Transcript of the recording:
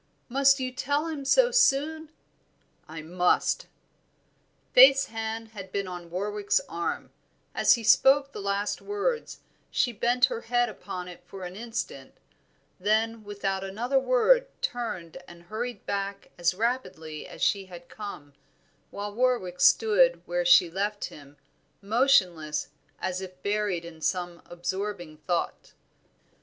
"Must you tell him so soon?" "I must." Faith's hand had been on Warwick's arm; as he spoke the last words she bent her head upon it for an instant, then without another word turned and hurried back as rapidly as she had come, while Warwick stood where she left him, motionless as if buried in some absorbing thought.